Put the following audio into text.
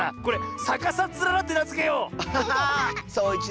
これ「さかさつらら」ってなづけよう！